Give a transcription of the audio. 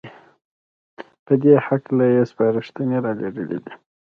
په دې هکله يې سپارښنې رالېږلې دي